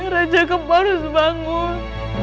raja kamu harus bangun